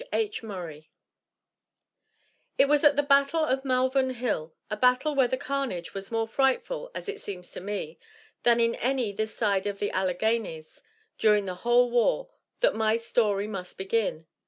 H. Murray It was at the battle of Malvern Hill a battle where the carnage was more frightful, as it seems to me, than in any this side of the Alleghanies during the whole war that my story must begin.